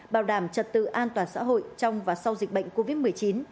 bảo đảm trật tự an toàn xã hội trong và sau dịch bệnh covid một mươi chín